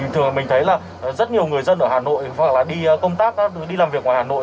thường mình thấy là rất nhiều người dân ở hà nội hoặc là đi công tác đi làm việc ở hà nội